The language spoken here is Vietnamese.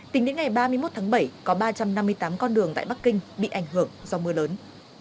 tính đến ngày ba mươi một tháng bảy có ba trăm năm mươi tám con đường tại bắc kinh bị ảnh hưởng do mưa lớn